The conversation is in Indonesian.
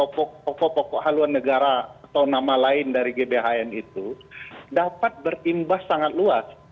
pokok pokok haluan negara atau nama lain dari gbhn itu dapat berimbas sangat luas